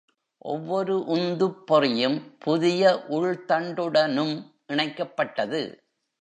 ஒவ்வொரு உந்துப்பொறியும் புதிய உள்தண்டுடனும் இணைக்கப்பட்டது.